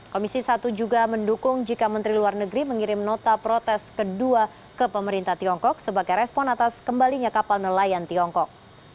komisi satu juga mendukung jika menteri luar negeri mengirim nota protes kedua ke pemerintah tiongkok sebagai respon atas kembalinya kapal nelayan tiongkok